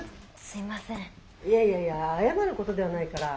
いやいやいや謝ることではないから。